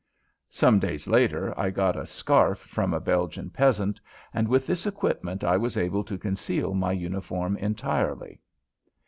Some days later I got a scarf from a Belgian peasant, and with this equipment I was able to conceal my uniform entirely.